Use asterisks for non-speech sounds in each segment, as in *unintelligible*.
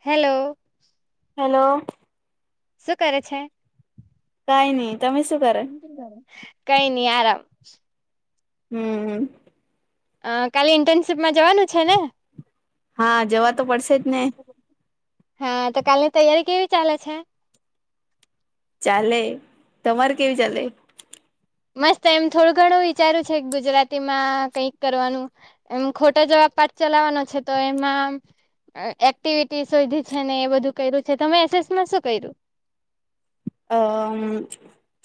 Hello hello શું કરે છે? કઈ નહી તમે શું કર કઈ નઈ આરામ હમ હ અ કાલે ઇન્ટર્નશીપમાં જવાનું છે ને હા જવા તો પડશે જ ને હા તો કાલની તૈયારી કેવી ચાલે છે. ચાલે તમારે કેવી ચાલે મસ્ત એમ થોડું ઘણું વિચાર્યું છે ગુજરાતીમાં કઈક કરવાનું. એમ ખોટા જેવા પાર્ક ચલાવવાનો છે તો એમાં એક્ટિવિટી શોધી છે ને એ બધું કર્યું છે તમે એસએસમાં શું કર્યું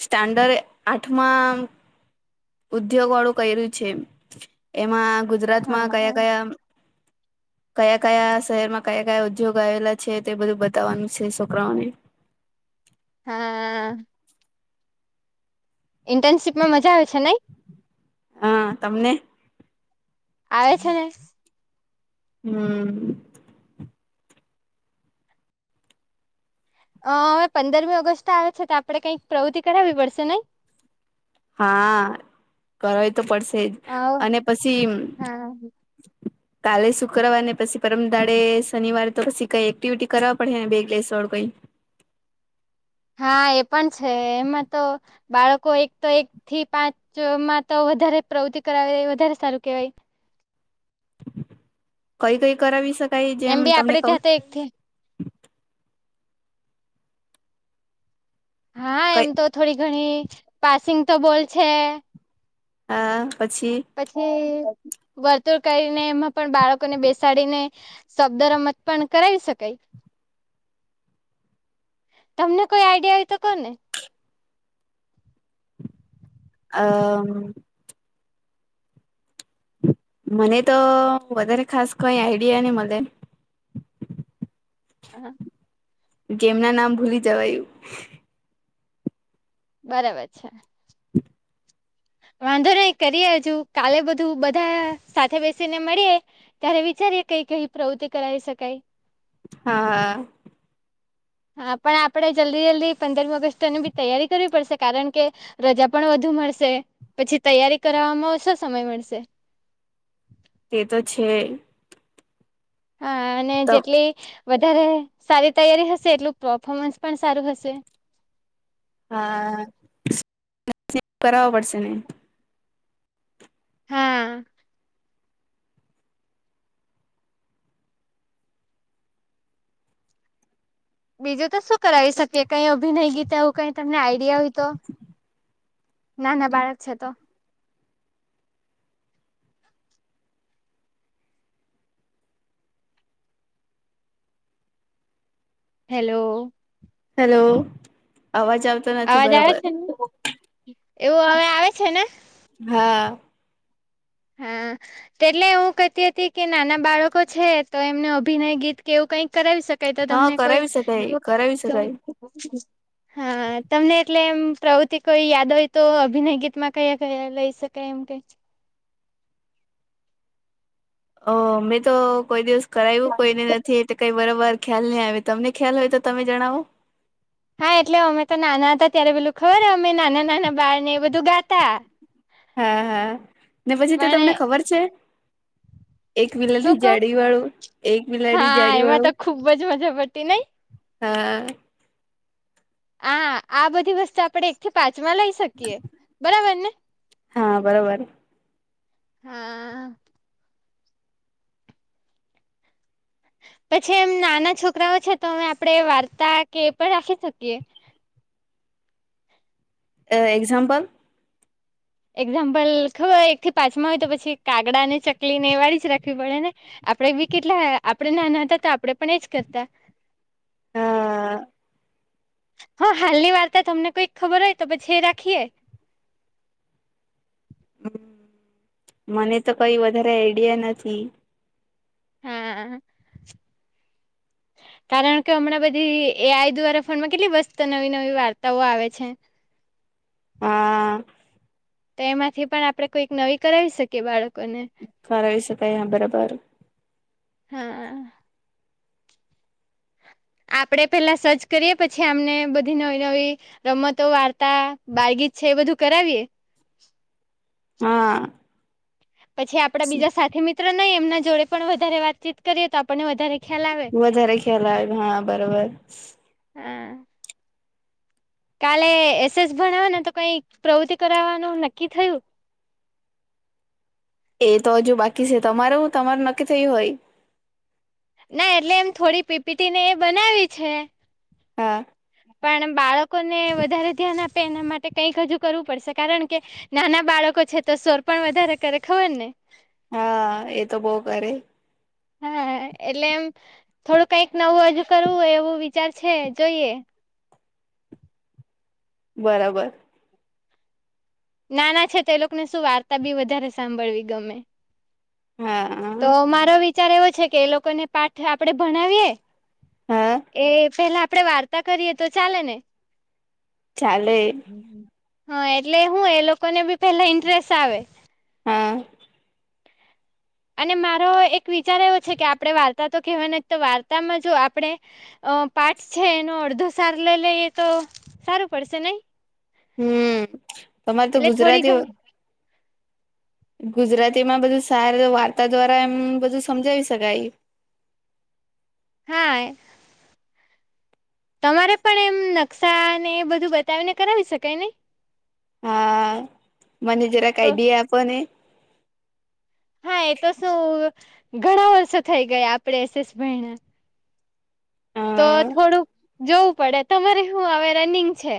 સ્ટાન્ડર્ડ આઠમા ઉદ્યોગ વાળું કર્યું છે એમાં ગુજરાતમાં કયા હા કયા *inaudible* કયા કયા શહેરમાં કયા કયા ઉદ્યોગ આવેલા છે તે બધું બતાવવાનું છે છોકરાઓને હા ઇન્ટર્નશીપ માં મજા આવે છે નઈ હા તમને આવે છે ને હમ અ હવે પંદરમી ઓગસ્ટ આવે છે તો આપણેે કંઈક પ્રવૃત્તિ કરાવવી પડશે નહી. હા કરવાવી તો પડશે જ અને પછી હ કાલે શુક્રવાર ને પછી પરમદાડે શનિવારે તો પછી કઈ એક્ટિવિટી કરવા પડે ને બેગ લ સડ કઈ હા એ પણ છે, એમાં તો બાળકો એક તો એક થી પાંચ માં તો વધારે પ્રવૃતિ કરાવે, વધારે સારું કહેવાય છે. કઈ કઈ કરાવી શકાય જેમ તમને ખબર એક હા કઈ એમ તો થોડી ઘણી પાસિંગ તો બોલ છે. આ પછી પછી, વર્તુળ કરીને એમાં પણ બાળકોને બેસાડીને શબ્દ રમત પણ કરાવી શકાય. તમને કોઈ આઈડિયા હો તો કો ને? અમ મને તો વધારે ખાસ કઈ આઈડિયા નહી મળે. *inaudible* ગેમના નામ ભૂલી જવાયુ. બરાબર છે. વાંધો નહી કરીએ હજુ, કાલે બધું બધા સાથે બેસીને મળીએ. ત્યારે વિચારીએે કઈ કઈ પ્રવૃતિ કરાવી શકાય. હા હા હા પણ આપણે જલ્દી જલ્દી પંદરમી ઓગસ્ટની બી તૈયારી કરવી પડશે, કારણ કે, રજા પણ વધુ મળશે, પછી તૈયારી કરવામાં ઓછો સમય મળશે. એ તો છે. હા અને તો જેટલી વધારે સારી તૈયારી હશે, એટલું પફોમન્સ પણ સારું હશે. હા *unintelligible* કરાવો પડશે ને હા બીજું તો શું કરાવી શકીએ? કઈ અભિનય ગીત આવું કઈ તમને આઈડિયા હોય તો. ના ના બાળક છે તો હેલો હેલો આવાજ આવ અવાજ આવે છે ને, એવું હવે આવે છે ને. હા હા તેટલે હું કેતી હતી કે, નાના બાળકો છે તો એમને અભિનય ગીત કેવું કઈક કરાવી શક કઈ તો હા તમને કોઈ કરાવી શકાય કરાવી શકાય *unintelligible* હા તમને એટલે એમ પ્રવૃત્તિ કોઈ યાદ હોય તો, અભિનય ગીતમાં કયા કયા લઈ શકાય એમ કે અ મેં તો કોઈ દિવસ કરાવ્યું કોઈને નથી, એટલે કઈ બરોબર ખ્યાલ નહી આવે, તમને ખ્યાલ હોય તો તમે જણાવો. હા એટલે અમે તો નાના હતા ત્યારે પેલું ખબર, અમે નાના નાના બાળ ને એ બધું ગાતા. હા હા ને પછી તતો પણ તમને ખબર છે. એક બિલાલી શું કવ જાડી વાળું, એક બિલાડી હા જાડી એમાં તો વાળું. ખુબ જ મજા પડતી નઈ હા આ આ બધી વસ્તુ આપડે એક થી પાંચમાં લઈ શકીએ બરાબર ને. હા બરોબર. હા પછી એમ નાના છોકરાઓ છે તો, અમે આપણે વાર્તા કે એ પણ રાખી શકીએ. અ એક્ઝામ્પલ એક્ઝામ્પલ! ખબર એક થી પાંચમા હોય તો પછી કાગડા ને ચકલી ને એ વાળી જ રાખવી પડે ને આપણે બી કેટલા, આપણે નાના હતા તો આપણે પણ એજ કરતા. હા હા હાલની વાર્તા તમને કોઈક ખબર હોય તો, પછી રાખીએ. હમ મને તો કઈ વધારે આઈડિયા નથી. હા કારણ કે હમણાં બધી એ આઈ દ્વારા ફોનમાં કેટલી મસ્ત નવી નવી વાર્તાઓ આવે છે. હા તો એમાંથી પણ આપડણે કોઈક નવી કરાવી શકીએ બાળકોને. કરાવી શકાય હા બરાબર. હા આપડે પહેલાં સર્ચ કરીએ, પછી આમને બધી નવી નવી રમતો વાર્તા બાળ ગીત છે, એ બધું કરાવીએ. હા પછી આપડા બીજા સાથે મિત્રો નહી એમના જોડે પણ વધારે વાતચીત કરીએ તો આપણને વધારે ખ્યાલ આવે વધારે ખ્યાલ આવે હા બરોબર. હમ કાલે એસએસ ભણાવ ને તો કઈ પ્રવૃતિ કરાવવાનું નક્કી થયું. એ તો હજુ બાકી છે તમારું તમારું નક્કી થયું હોય. ના એટલે એમ થોડી પીપીટી ને એ બનાવી છે. હા પણ બાળકોને વધારે ધ્યાન આપે એના માટે કંઈક હજુ કરવું પડશે કારણ કે નાના બાળકો છે તો સ્વર પણ વધારે કરે ખબર ને હા એ તો બહ કરે હા એટલે એમ થોડું કઈક નવું હજુ કરવું હોય એવું વિચાર છે જોઈએ બરાબર નાના છે તે એ લોકોને શું વાર્તા બી વધારે સાંભળવી ગમે હા તો મારો વિચાર એવો છે કે એ લોકોને પાઠ આપડે ભણાવીએ હા એ પેલા આપડે વાર્તા કરીએ તો ચાલે ને. ચાલે હા એટલે હું એ લોકોને બી પેલા ઇન્ટરેસ્ટ આવે હા અને મારો એક વિચાર એવો છે કે આપડણે વાર્તા તો કેહેવા નથી તો વાર્તામાં જો આપણે અ પાઠ છે એનો અડધો સાર લઈ લઈએ તો સારું પડશે નહી. હમ તમા તો એટલે થોડી ગુજરાતી ઘણી ગુજરાતીમાં બધું સાર વાર્તા દ્વારા એમ બધું સમજાવી શકાય. હા તમારે પણ એમ નકશા ને એ બધું બતાવીને કરાવી શકાય નહી હા મને જરાક તો આઈડિયા આપો ને હા એ તો શું ઘણા વર્ષો થઈ ગયા આપડે એસએસ ભાઈના. અ તો થોડુંક જોવું પડે તમારે શું આવે રનિંગ છે.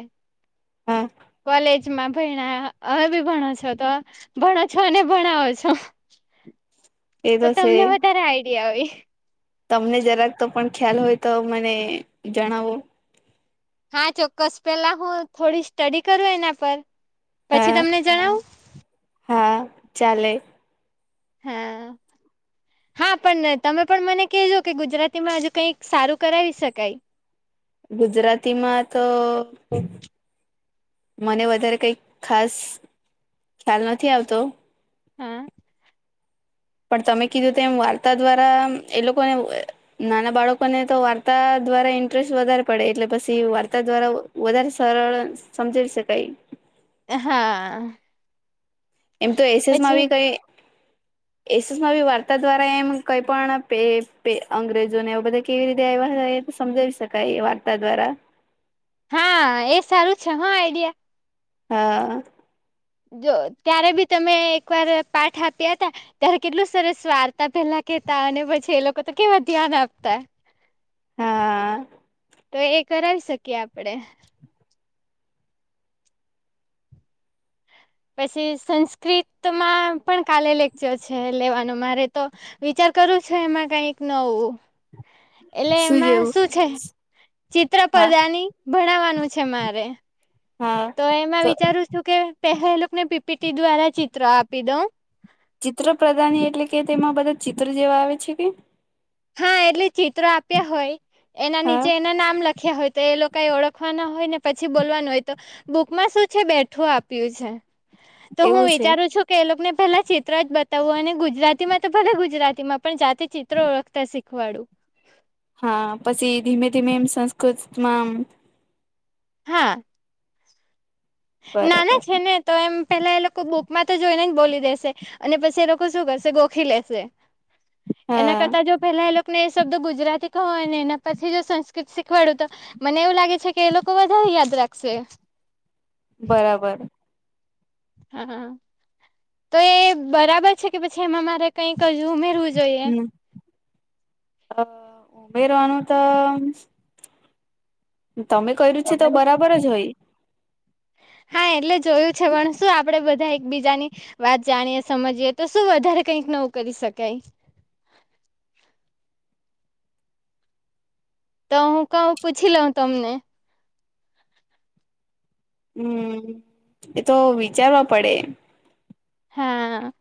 હા કોલેજમાં ભહેણા હવે બી ભણો છો તો ભણો છો અનેને ભણાવો છો. એ તો છે. તમને વધારે આઈડિયા હોય તમને જરાક તો પણ ખ્યાલ હોય તો મને જણાવો હા ચોક્કસ પેલા હું થોડી સ્ટડી કરું એના પર, પછી હા તમને જણાવું. હા ચાલે હા હા પણ તમે પણ મને કહેજો કે ગુજરાતીમાં હજુ કઈક સારું કરાવી શકાય *inaudible* ગુજરાતીમાં તો મને વધારે કઈક ખાસ ખ્યાલ નથી આવતો હા પણ તમે કીધું તો એમ વાર્તા દ્વારા એ લોકોને નાના બાળકોને તો વાર્તા દ્વારા ઇન્ટરેસ્ટ વધારે પડે એટલે પછી વાર્તા દ્વારા વધારે સરળ સમજીાવ શકાય હા એમ તો એસએસ માં પછી બી કઈ? એસસમાં બ વાર્તા દ્વારા એમ કઈ પણ અંગ્રેજોને એ બધા કેવી રીતે આવ્યા. સમજાવી શકાય એ વાર્તા દ્વારા. હા એ સારું છે હા આઈડિયા. હા. જો ત્યારે બી તમે એકવાર પાઠ આપ્યા હતા. ત્યારે કેટલું સરસ વાર્તા પેલા કેતા અને પછી એ લોકો તો કેવા ધ્યાન આપતા. હા. તો એ કરાવી શકીએ આપડે. પછી સંસ્કૃતમાં પણ કાલે લેક્ચર છે લેવાનું મારે તો. વિચાર કરું છે એમાં કઈક નવું. એટલે એમાં શું છે ચિત્ર હા પ્રદાની. ભણાવવાનું છે મારે હા તો એમાં વિચારું છું કે પહેલા એલોક ને પીપીટી દ્વારા ચિત્ર આપી દઉ. ચિત્ર પ્રદાની એટલે કે તેમાં બધા ચિત્ર જેવા આવે છે કે. હા એટલે ચિત્રો આપ્યા હોય. એના હા નીચે એના નામ લખ્યા હોય તો એ લોકો એ ઓળખવાના હોય ને પછી બોલવાનું હોય તો બુકમાં શું છે બેઠું આપ્યું છે. તો હું એવું છે વિચારું છું કે એ લોકોને પેલા ચિત્ર જ બતાવું અને ગુજરાતીમાં તો ભલે ગુજરાતીમાં પણ જાતે ચિત્રો ઓળખતા શીખવાડું. હા પછી ધીમે ધીમે એમ સંસ્કૃતમાં. હા. બરાબર નાના છે ને. તો એમ પેલા એ લોકો બુકમાં તો જોઈને જ બોલી દેશે અને પછી એ લોકો શું કરશે ગોખી લેશે. એના હા કરતા જો પેલા એ લોકો ને એ શબ્દ ગુજરાતી કહોય અને એના પછી જો સંસ્કૃત શીખવાડું તો મને એવું લાગે છે કે એ લોકો બધા યાદ રાખશે. બરાબર. હા હા. તો એ બરાબર છે કે પછી એમાં મારે કઈક હજુ ઉમેરવું જોઈએ. હમ ઉમેરવાનું તો તમે કર્યું છે તો બરાબર જ હોય. હા એટલે જોયું છે પણ શું આપડે બધા એક બીજાની વાત જાણીએ સમજીએ તો શું વધારે કઈક નું કરી શકાય. તો હું કહું પૂછ લઉ તમને. હમ એતો વિચારવા પડે. હા.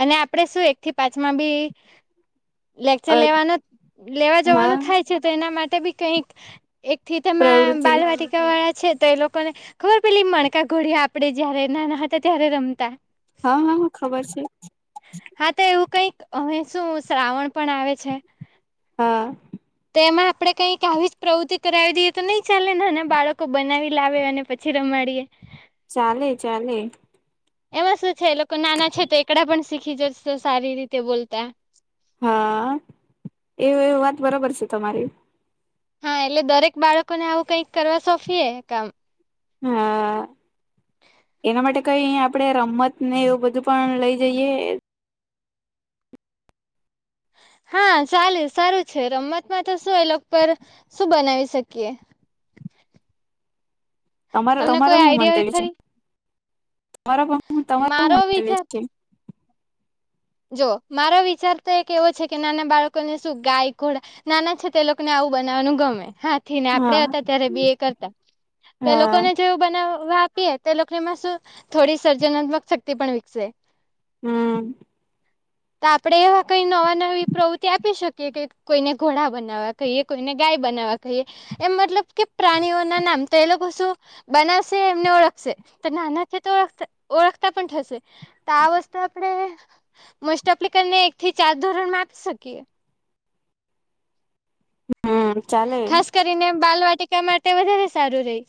અને આપડે શું એક થી પાંચમા બી લેકચર અ લેવાનું લેવા હા જવાનું થાય છે તો એના માટે બી કઈક એક થી તમે પ્રવૃત્તિ બાલવાટી વાળા છે તો એ લોકોને ખબર પેલી મણકા ઘોડિયા આપડે જયારે નાના હતા ત્યારે રમતા. હા હા હા ખબર છે. હા તો એવું કઈક અહી શું શ્રાવણ પણ આવે છે. હા. તો એમાં આપડે કંઈક આવી જ પ્રવૃત્તિ કરાવી દઈએ તો નહી ચાલે ને બાળકો બનાવી લાવે અને પછી રમાડીએ. ચાલે ચાલે. એમાં શું છે લોકો નાના છે તો એકડા પણ શીખી જશે સારી રીતે બોલતા. હા એ એ વાત બરોબર છે તમારી. હા એટલે દરેક બાળકોને આવું કઈક કરવા સોંપીએ કામ હા એના માટે કઈ આપડે રમત ને એવું બધું પણ લઈ જઈએ. હા ચાલે સારું છે રમતમાં તો શું એ લોકો પર શું બનાવી શકીએ. તમારો તમને તમારો કોઈ હું આઈડિયા હોય મંતવ્ય છે ખરી તમારો તમારો હું મારો મંતવ્ય વિચાર છે. જો મારો વિચાર તો એક એવો છે કે નાના બાળકોને શું ગાય, ઘોડા નાના છે તે લોકોને આવું બનાવાનું ગમે હા થીને આપણેે હા હતા ત્યારે બી એ કરતા તો એ હા લોકોને જેવું બનાવવા આપીએ તે લોકોનેમાં શું થોડી સર્જનાત્મક શક્તિ પણ વિકસે હમ તો આપડે એવા કઈ નવા નવી પ્રવૃત્તિ આપી શકીએ કે કોઈને ઘોડા બનાવા કહીએ કોઈને ગાય બનાવવા કહીએ એમ મતલબ કે પ્રાણીઓના નામ તો એ લોકો શું બનાવશે એમને ઓળખશે તો નાનાથી તો ઓખ ઓળખતા પણ થશે તો આ વસ્તુ આપણે મસ્ટ એપ્લિકને એક થી ચાર ધોરણ માં આપી શકીએ હમ ચાલે તેને બાલ વાટિકા માટે વધારે સારું રેય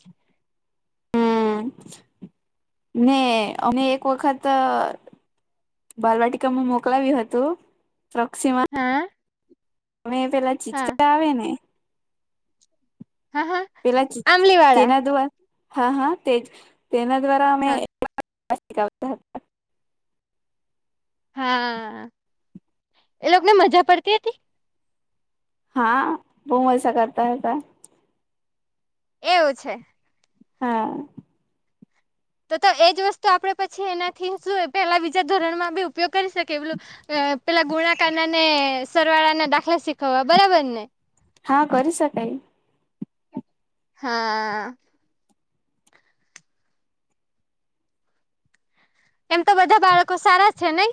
હમ ને અમે એક વખત બાલવાટિકામાં મોકલાવ્યું હતું રક્ષીમા હા તમે પેલા હા ચીચકા આવે ને હા હા પેલા આંમલી વાળા જેના દ્વારા હા હા તેજ તેના દ્વારા અમે હા *unintelligible* હા એ લોકો ને મજા પડતી હતી હા બઉ મઝા કરતા હતા એવું છે હા તો તો એજ વસ્તુ આપડે પછી એનાથી શું પેલા બીજા ધોરણમાં બી ઉપયોગ કરી શકીએ પેલું પેલા ગુણાકાના ને સરવાળા ના દાખલા શીખવવા બરાબર ને હા કરી શકાય હા એમ તો બધા બાળકો સારા છે નઈ